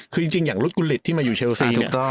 คือจริงอย่างลุดกุลลิทที่มาอยู่เชลสี